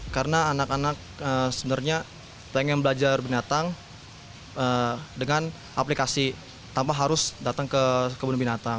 karena anak anak sebenarnya pengen belajar binatang dengan aplikasi tanpa harus datang ke kebun binatang